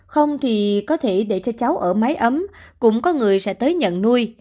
không thì có thể để cho cháu ở máy ấm cũng có người sẽ tới nhận nuôi